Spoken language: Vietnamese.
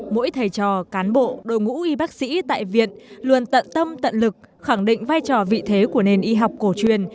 mỗi thầy trò cán bộ đội ngũ y bác sĩ tại viện luôn tận tâm tận lực khẳng định vai trò vị thế của nền y học cổ truyền